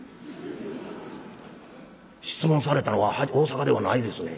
質問されたのは大阪ではないですね。